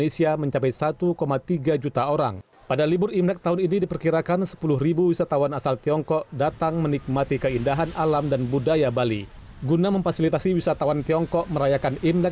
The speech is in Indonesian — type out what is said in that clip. sampai jumpa di video selanjutnya